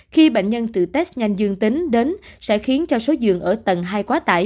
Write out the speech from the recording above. khi bệnh nhân từ test nhanh dương tính đến sẽ khiến cho số giường ở tầng hai quá tải